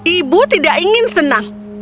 ibu tidak ingin senang